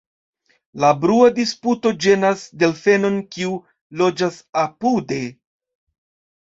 La brua disputo ĝenas delfenon kiu loĝas apude.